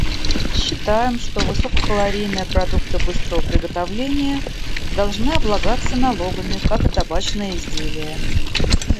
Считаем, что высококалорийные продукты быстрого приготовления должны облагаться налогами, как и табачные изделия.